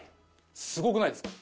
すごくないですか？